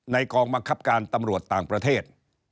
กองบังคับการตำรวจต่างประเทศ